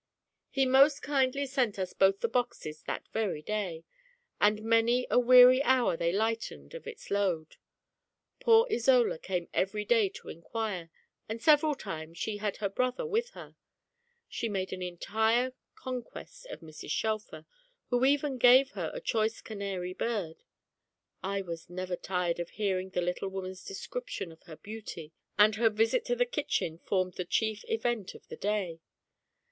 He most kindly sent us both the boxes that very day; and many a weary hour they lightened of its load. Poor Isola came every day to inquire, and several times she had her brother with her. She made an entire conquest of Mrs. Shelfer, who even gave her a choice canary bird. I was never tired of hearing the little woman's description of her beauty, and her visit to the kitchen formed the chief event of the day.